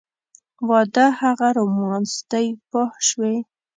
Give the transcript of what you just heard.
واده هغه رومانس دی پوه شوې!.